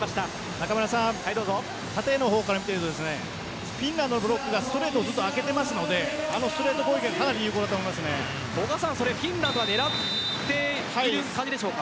中村さん縦の方から見ているとフィンランドのブロックがストレートを空けていますのでフィンランドは狙っている感じでしょうか？